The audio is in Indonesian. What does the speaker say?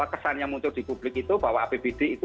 kesan yang muncul di publik itu bahwa apbd itu